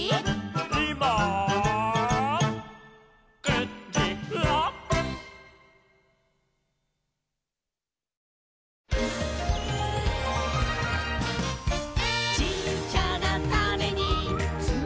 「いまー９じら」「ちっちゃなタネにつまってるんだ」